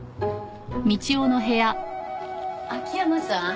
秋山さん